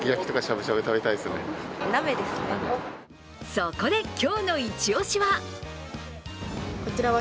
そこで今日のイチ押しは。